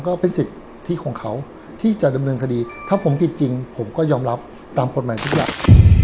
ก็เป็นสิทธิของเขาที่จะดำเนินคดีถ้าผมผิดจริงผมก็ยอมรับตามกฎหมายทุกอย่าง